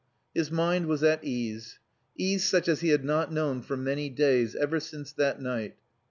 His mind was at ease; ease such as he had not known for many days, ever since that night...